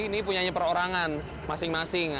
ini punya perorangan masing masing